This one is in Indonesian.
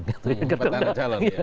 petahana calon ya